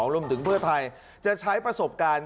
รวมถึงเพื่อไทยจะใช้ประสบการณ์